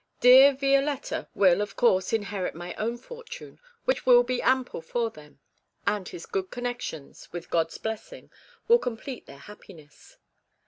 Dear Violetta will, of course, inherit my own fortune, which will be ample for them, and his good connections, with God's blessing, will complete their happiness.'